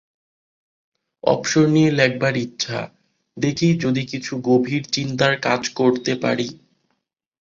অবসর নিয়ে লেখবার ইচ্ছা, দেখি যদি কিছু গভীর চিন্তার কাজ করতে পারি।